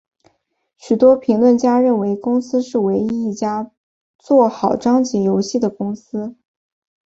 许多评论家认为公司是唯一一家做好章节游戏的公司。